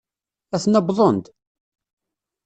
Aten-a wwḍen-d!